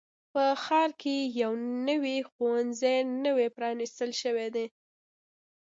په ښار کې یو نوي ښوونځی نوی پرانیستل شوی دی.